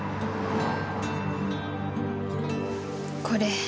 これ。